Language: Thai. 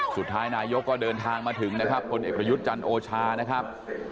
สุดท้ายนายกก็เดินทางมาถึงนะครับคนเอกประยุทธ์จันทร์โอชานะครับ